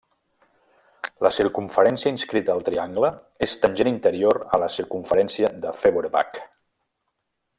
La circumferència inscrita al triangle és tangent interior a la circumferència de Feuerbach.